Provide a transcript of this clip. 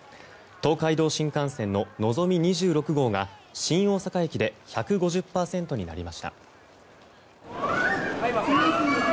東海道新幹線ののぞみ２６号が新大阪駅で１５０％になりました。